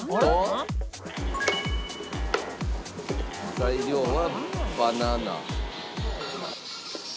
材料はバナナ。